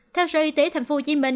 theo sở y tế tp hcm